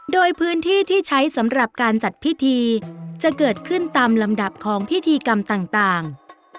โดยพื้นที่ที่ใช้สำหรับการจัดพิธีจะเกิดขึ้นตามลำดับของพิธีกรรมต่าง